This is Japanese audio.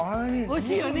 おいしい！